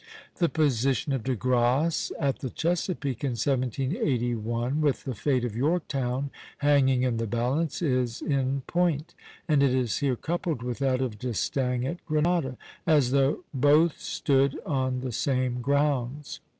The position of De Grasse at the Chesapeake, in 1781, with the fate of Yorktown hanging in the balance, is in point; and it is here coupled with that of D'Estaing at Grenada, as though both stood on the same grounds.